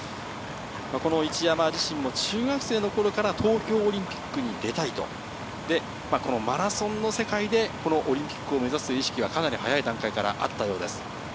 一山自身も中学生の頃から東京オリンピックに出たいと、マラソンの世界でオリンピックを目指す意識がかなり早い段階からあったようです。